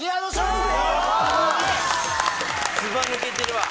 ずばぬけてるわ。